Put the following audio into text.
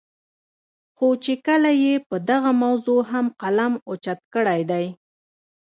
خو چې کله ئې پۀ دغه موضوع هم قلم اوچت کړے دے